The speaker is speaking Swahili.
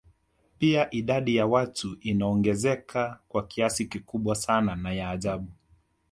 Pia idadi ya watu inaongezeka kwa kasi kubwa sana na ya ajabu